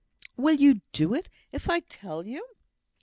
"Will you do it if I tell you?